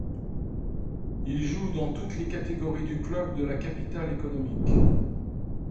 Il joue dans toutes les catégories du club de la capitale économique.